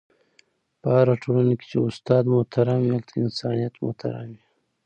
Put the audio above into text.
په هره ټولنه کي چي استاد محترم وي، هلته انسانیت محترم وي..